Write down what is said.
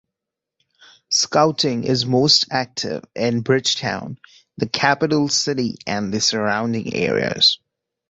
Scouting is most active in Bridgetown, the capital city and the surrounding areas.